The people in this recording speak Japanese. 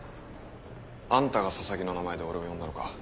あんたが佐々木の名前で俺を呼んだのか。